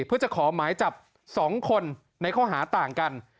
เพื่อจะขอหมายจับ๒คนในข้อหาต่างกัน